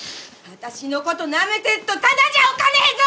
私のことなめてっとただじゃおかねえぞ！